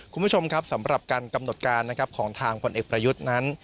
คุณผู้ชมครับสำหรับการกำหนดการนะครับของทางผลเอกประยุทธ์นั้น